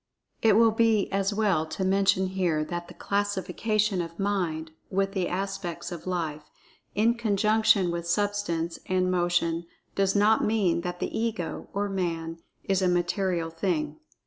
It will be as well to mention here that the classification of Mind with the aspects of Life, in conjunction with Substance, and Motion, does not mean that the Ego or Man is a material thing.